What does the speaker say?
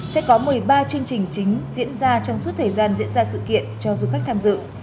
sẽ có một mươi ba chương trình chính diễn ra trong suốt thời gian diễn ra sự kiện cho du khách tham dự